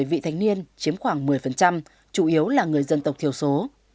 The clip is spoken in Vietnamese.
trẻ vị thanh niên chiếm khoảng một mươi chủ yếu là người dân tộc thiếu số